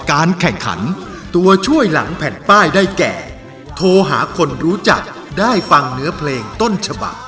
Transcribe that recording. การแข่งขันตัวช่วยหลังแผ่นป้ายได้แก่โทรหาคนรู้จักได้ฟังเนื้อเพลงต้นฉบัก